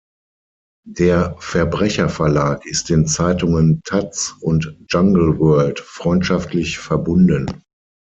Der Verbrecher Verlag ist den Zeitungen "taz" und "Jungle World" freundschaftlich verbunden.